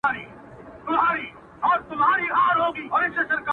پتنګه وایه ته څشي غواړې -